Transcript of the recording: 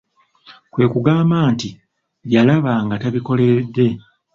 Kwe kugamba nti yalaba ng'atabikoleredde.